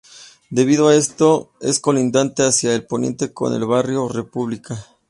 Debido a esto, es colindante hacia el poniente con el Barrio República.